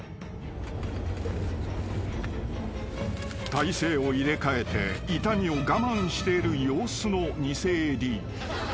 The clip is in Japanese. ［体勢を入れ替えて痛みを我慢している様子の偽ＡＤ］